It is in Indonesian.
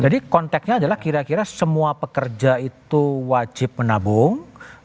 jadi konteknya adalah kira kira semua pekerja itu wajib menabung